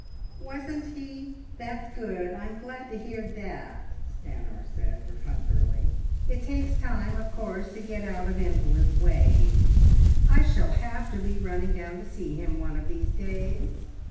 "Wasn't he? That's good! I'm glad to hear that," Stanor said perfunctorily. "It takes time, of course, to get out of invalid ways. I shall have to be running down to see him one of these days."